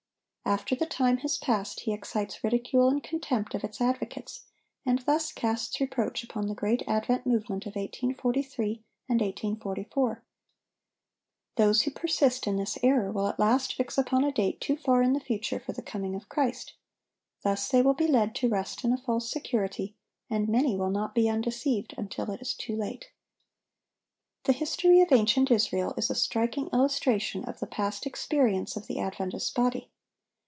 After the time has passed, he excites ridicule and contempt of its advocates, and thus casts reproach upon the great Advent Movement of 1843 and 1844. Those who persist in this error will at last fix upon a date too far in the future for the coming of Christ. Thus they will be led to rest in a false security, and many will not be undeceived until it is too late. The history of ancient Israel is a striking illustration of the past experience of the Adventist body.